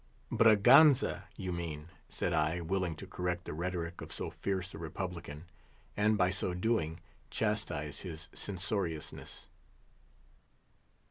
"Braganza, you mean," said I, willing to correct the rhetoric of so fierce a republican, and, by so doing, chastise his censoriousness.